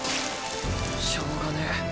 しょうがねぇ。